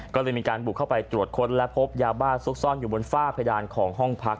ก็เลยมีการบุกเข้าไปตรวจค้นและพบยาบ้าซุกซ่อนอยู่บนฝ้าเพดานของห้องพัก